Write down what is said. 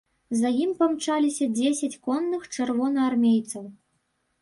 За ім памчаліся дзесяць конных чырвонаармейцаў.